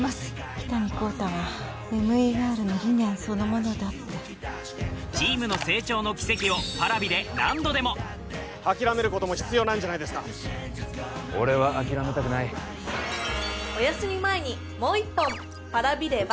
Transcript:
喜多見幸太はＭＥＲの理念そのものだってチームの成長の軌跡をＰａｒａｖｉで何度でも諦めることも必要なんじゃないですか俺は諦めたくないおやすみ前にもう一本Ｐａｒａｖｉれば